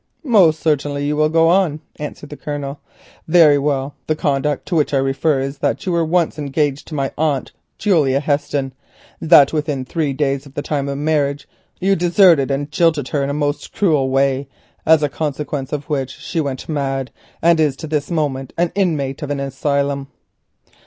"Most certainly you will go on," answered the Colonel. "Very well. The conduct to which I refer is that you were once engaged to my aunt, Julia Heston; that within three days of the time of the marriage you deserted and jilted her in a most cruel way, as a consequence of which she went mad, and is to this moment an inmate of an asylum."